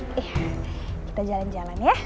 kita jalan jalan ya